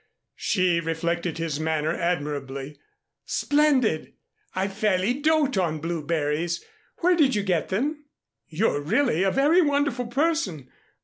She reflected his manner admirably. "Splendid! I fairly dote on blueberries. Where did you get them? You're really a very wonderful person.